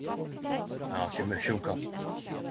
Eg har ikkje mykje om kap.